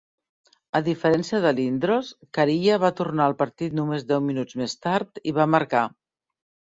A diferència de Lindros, Kariya va tornar al partit només deu minuts més tard i va marcar.